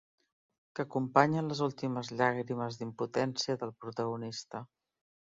Que acompanya les últimes llàgrimes d'impotència del protagonista.